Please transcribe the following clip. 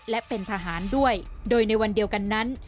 และเป็นทหารด้วยโดยในวันเดียวกันนั้น